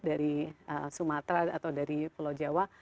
dari sumatera atau dari pulau jawa